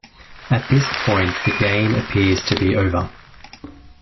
At this point, the game appeared to be over.